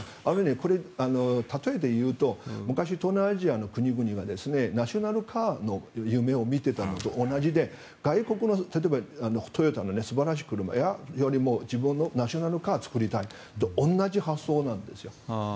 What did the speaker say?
これ、たとえで言うと昔、東南アジアの国々がナショナルカーの夢を見ていたのと同じで、外国のトヨタの素晴らしい車よりも自分のナショナルカーを作りたいというのと同じ発想なんですよ。